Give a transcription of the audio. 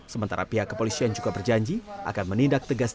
sementara pihak kepolisian juga berjanji akan menindak tegas